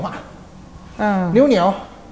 เหนียว